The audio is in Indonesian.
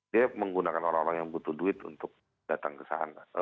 dia menggunakan orang orang yang butuh duit untuk datang ke sana